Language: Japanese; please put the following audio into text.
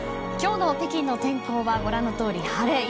今日の北京の天候はご覧のとおり、晴れ。